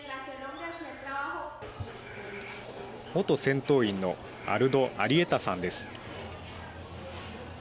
元戦闘員のアルド・アリエタさんです。